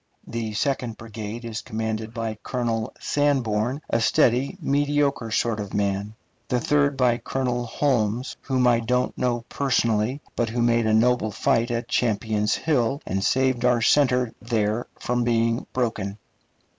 The second brigade is commanded by Colonel Sanborn, a steady, mediocre sort of man; the third by Colonel Holmes, whom I don't know personally, but who made a noble fight at Champion's Hill, and saved our center there from being broken.